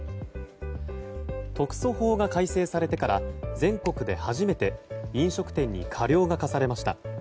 特措法が改正されてから全国で初めて飲食店に過料が科されました。